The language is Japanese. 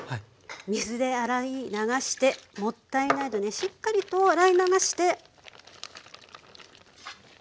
水で洗い流してもったいないのでしっかりと洗い流して入れます。